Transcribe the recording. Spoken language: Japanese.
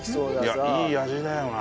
いやいい味だよな。